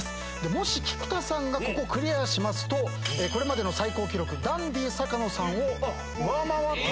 もし菊田さんがここクリアしますとこれまでの最高記録ダンディ坂野さんを上回って。